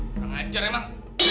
nggak ngejar emang